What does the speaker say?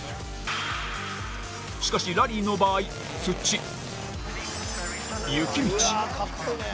しかし、ラリーの場合土、雪道。